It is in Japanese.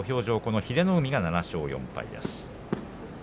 英乃海は７勝４敗です。